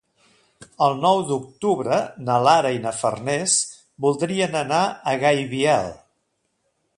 El nou d'octubre na Lara i na Farners voldrien anar a Gaibiel.